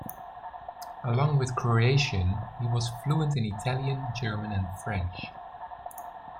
Along with Croatian, he was fluent in Italian, German and French.